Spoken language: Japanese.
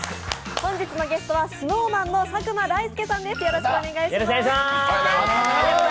本日のゲストはＳｎｏｗＭａｎの佐久間大介さんです。